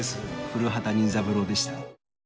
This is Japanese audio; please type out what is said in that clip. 古畑任三郎でした。